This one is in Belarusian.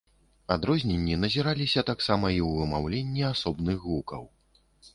Адрозненні назіраліся таксама і ў вымаўленні асобных гукаў.